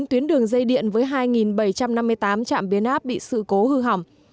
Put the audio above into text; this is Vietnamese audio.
một mươi tuyến đường dây điện với hai bảy trăm năm mươi tám trạm biến áp bị sự cố hư hỏng